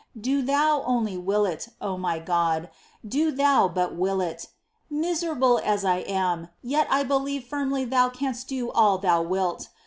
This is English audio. Do Thou only will it, O my God, do Thou but will it ! Miserable as I am, yet I believe firmly that Thou canst do all Thou wilt.